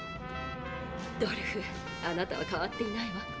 ドルフあなたは変わっていないわ。